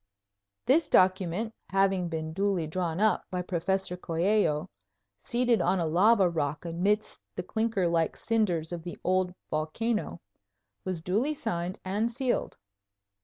This document, having been duly drawn up by Professor Coello, seated on a lava rock amidst the clinker like cinders of the old volcano, was duly signed and sealed.